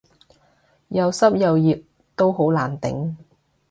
又濕又熱都好難頂